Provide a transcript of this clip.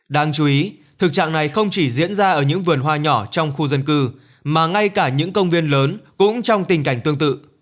đáng chú ý thực trạng này không chỉ diễn ra ở những vườn hoa nhỏ trong khu dân cư mà ngay cả những công viên lớn cũng trong tình cảnh tương tự